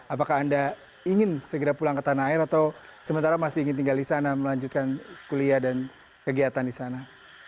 apakah anda ingin segera pulang ke tanah air atau sementara masih ingin tinggal di sana melanjutkan kuliah dan kegiatan di sana